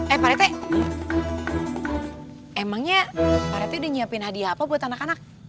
eh pak reti emangnya pak reti udah nyiapin hadiah apa buat anak anak